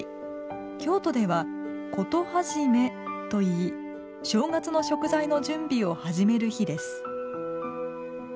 京都では「事始め」といい正月の食材の準備を始める日です。